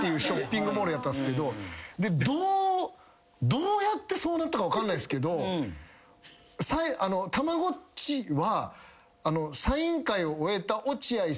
どうやってそうなったか分かんないですけどたまごっちは。